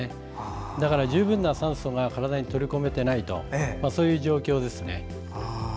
だから、十分な酸素が体に取り込めていないという状況ですね。